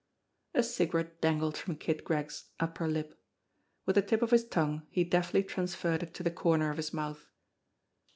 A cigarette dangled from Kid Gregg's upper lip. With the tip of his tongue he deftly transferred it to the corner of his mouth.